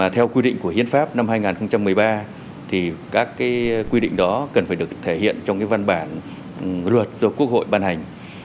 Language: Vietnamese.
theo quy định của hiến pháp năm hai nghìn một mươi ba thì các quy định đó cần phải được thể hiện trong văn bản luật do quốc hội ban hành